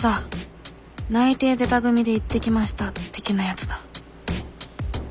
内定出た組で行ってきました的なやつだ